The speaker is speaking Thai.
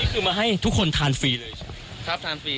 คือมาให้ทุกคนทานฟรีเลยใช่ไหมครับทานฟรี